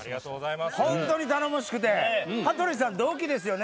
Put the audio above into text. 本当に頼もしくて、羽鳥さん、同期ですよね？